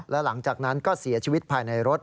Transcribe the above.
และหลังจากนั้นก็เสียชีวิตภายในรถ